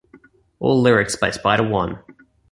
All lyrics by Spider One.